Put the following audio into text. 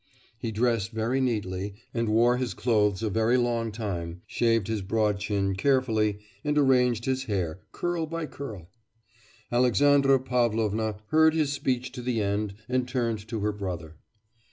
He dressed very neatly, and wore his clothes a very long time, shaved his broad chin carefully, and arranged his hair curl by curl. Alexandra Pavlovna heard his speech to the end and turned to her brother.